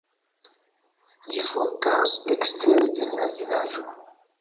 Ĝi fontas ekstere en la vilaĝo.